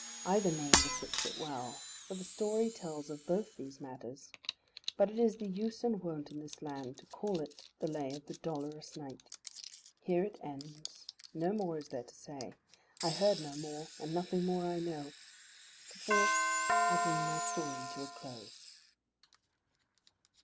Either name befits it well, for the story tells of both these matters, but it is the use and wont in this land to call it the Lay of the Dolorous Knight. Here it ends; no more is there to say. I heard no more, and nothing more I know. Perforce I bring my story to a close.